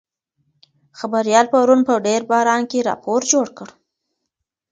خبریال پرون په ډېر باران کې راپور جوړ کړ.